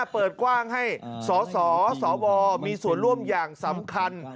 เปิดกว้างให้สสวมีส่วนร่วมอย่างสำคัญ